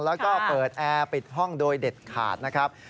แล้วก็เปิดแอร์ปิดห้องโดยเด็ดขาดนะครับ